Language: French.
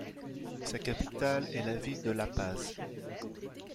Sa capitale est la ville de La Paz.